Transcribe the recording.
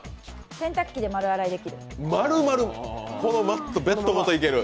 洗濯機で丸洗いできる？